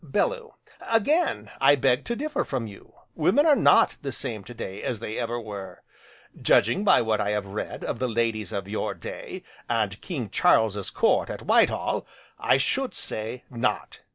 BELLEW: Again, I beg to differ from you, women are not the same to day as they ever were. Judging by what I have read of the ladies of your day, and King Charles's court at Whitehall, I should say not.